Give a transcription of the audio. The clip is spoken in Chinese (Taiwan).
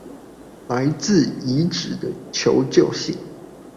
來自遺址的求救信